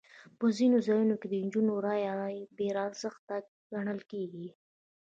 په ځینو ځایونو کې د نجونو رایه بې ارزښته ګڼل کېږي.